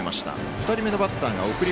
２人目のバッターが送り